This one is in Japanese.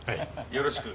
よろしく。